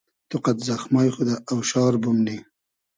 تو قئد زئخمای خو دۂ اۆشار بومنی